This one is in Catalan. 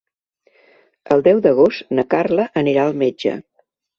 El deu d'agost na Carla anirà al metge.